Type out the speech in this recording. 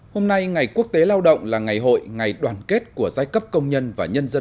hôm nay ngày quốc tế lao động là ngày hội ngày đoàn kết của giai cấp công nhân và nhân dân